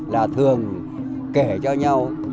là thường kể cho nhau